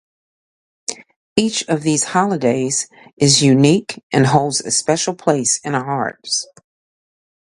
Each of these holidays is unique and holds a special place in our hearts.